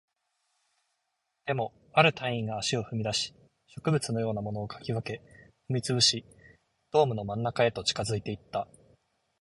でも、ある隊員が足を踏み出し、植物のようなものを掻き分け、踏み潰し、ドームの真ん中へと近づいていった